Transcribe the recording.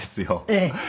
ええ。